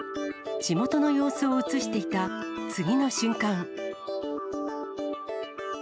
地元の様子を映していた次の瞬間。